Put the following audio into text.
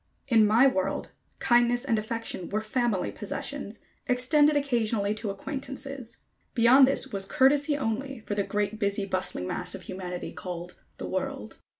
In my world, kindness and affection were family possessions, extended occasionally to acquaintances. Beyond this was courtesy only for the great busy bustling mass of humanity called "the world."